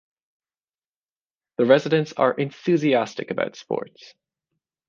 The residents are enthusiastic about sports.